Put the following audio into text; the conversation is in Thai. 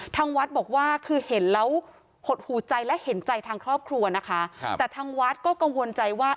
ทางวัดบอกว่าคือเห็นแล้วหดหูใจและเห็นใจทางครอบครัวนะคะ